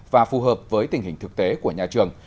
và phù hợp với tình hình thực tế của nhà trường